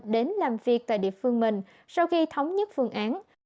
đến làm việc tại địa phương mình sau khi thống nhất phương án